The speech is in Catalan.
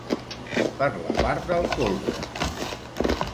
Per la part del colze!